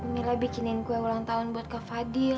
mila bikinin kue ulang tahun buat kak fadil